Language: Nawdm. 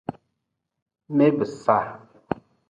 Mee be sa.